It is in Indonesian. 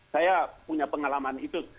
saya punya pengalaman itu